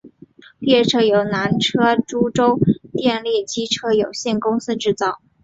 列车由南车株洲电力机车有限公司制造。